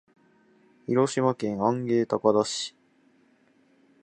広島県安芸高田市